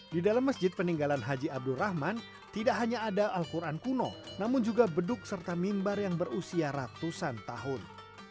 di dalam masjid peninggalan haji abdul rahman tidak hanya ada al quran kuno namun juga beduk serta mimbar yang berusia ratusan tahun